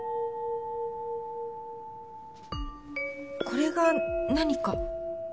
これが何か？